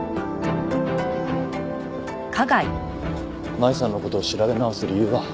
麻衣さんの事を調べ直す理由は？